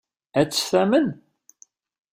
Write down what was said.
Ad tt-tamen?